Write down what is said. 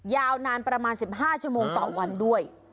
ยาวนานประมาณ๑๕ชั่วโมงต่อวันด้วย